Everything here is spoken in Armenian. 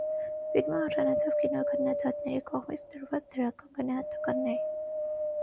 Ֆիլմը արժանացավ կինոքննադատների կողմից տրված դրական գնահատականների։